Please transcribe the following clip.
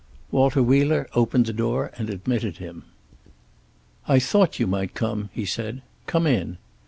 Walter Wheeler opened the door and admitted him. "I thought you might come," he said. "Come in."